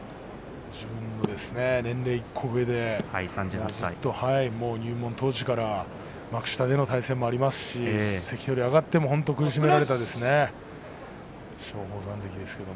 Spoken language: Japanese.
自分の年齢１個上で入門当時から幕下での対戦もありますし関取に上がっても苦しめられたんですね。